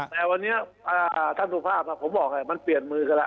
แต่วันนี้ท่านสุภาพผมบอกมันเปลี่ยนมือกันแล้ว